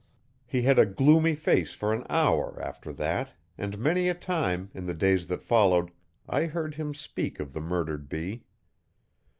He had a gloomy face for an hour after that and many a time, in the days that followed, I heard him speak of the murdered bee.